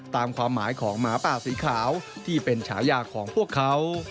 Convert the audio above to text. ตามความหมายของหมาป่าสีขาวที่เป็นฉายาของพวกเขา